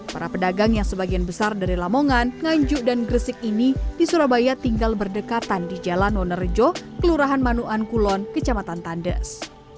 para pedagang yang sebagian besar dari lamongan nganjuk dan gresik ini di surabaya tinggal berdekatan di jalan wonerjo kelurahan manuan kulon kecamatan tandes